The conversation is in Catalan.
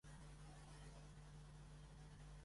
Qui viu a la placeta de Daniel Dalmases número setanta-tres?